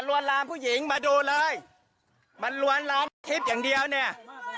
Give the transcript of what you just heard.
วนลามผู้หญิงมาดูเลยมันลวนลามคลิปอย่างเดียวเนี่ย